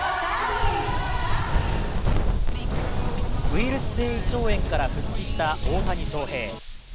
ウイルス性胃腸炎から復帰した大谷翔平。